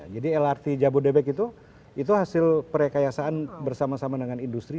jadi lrt jabodebek itu hasil perkayasaan bersama sama dengan industri